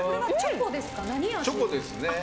チョコですね。